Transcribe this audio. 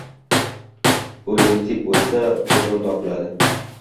• O‘liktik bo‘lsa, quzg‘un topiladi.